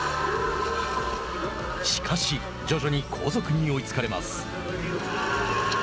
しかし徐々に後続に追いつかれます。